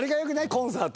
コンサート。